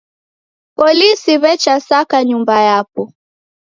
Polisi w'echasaka nyumba yapo.